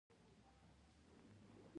هندوکش په اوږده تاریخ کې ذکر شوی.